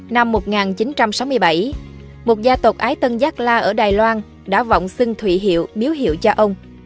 năm một nghìn chín trăm sáu mươi bảy một gia tộc ái tân giác la ở đài loan đã vọng xưng thụy hiệu miếu hiệu cho ông